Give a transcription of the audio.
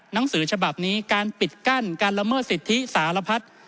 หนังสือฉบับนี้การปิดกั้นการละเมิดสิทธิสารพัฒน์